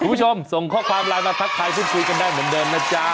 คุณผู้ชมส่งข้อความไลน์มาทักทายพูดคุยกันได้เหมือนเดิมนะจ๊ะ